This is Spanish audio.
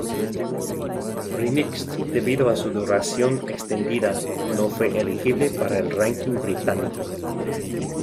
Remixed, debido a su duración extendida, no fue elegible para el ranking británico.